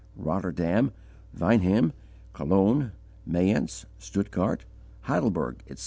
Rotterdam, Weinheim, Cologne, Mayence, Stuttgart, Heidelberg, etc.